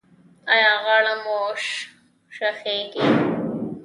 ایا غاړه مو شخیږي؟